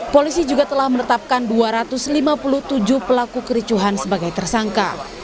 polisi juga telah menetapkan dua ratus lima puluh tujuh pelaku kericuhan sebagai tersangka